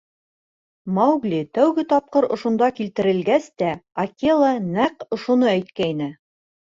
Маугли тәүге тапҡыр ошонда килтерелгәс тә Акела нәҡ ошоно әйткәйне.